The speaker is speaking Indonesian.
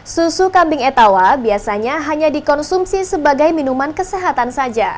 susu kambing etawa biasanya hanya dikonsumsi sebagai minuman kesehatan saja